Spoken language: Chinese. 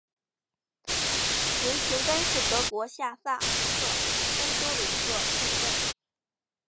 维廷根是德国下萨克森州的一个市镇。